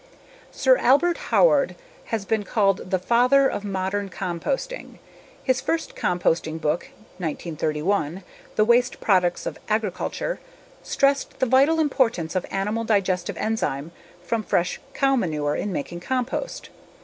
Sir Albert Howard has been called the 'father of modern composting.' His first composting book (1931) The Waste Products of Agriculture, stressed the vital importance of animal digestive enzymes from fresh cow manure in making compost.